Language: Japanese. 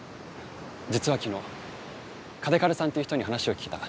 実は昨日嘉手刈さんという人に話を聞いた。